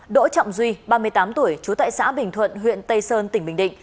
đỗ trọng duy ba mươi tám tuổi trú tại xã bình thuận huyện tây sơn tỉnh bình định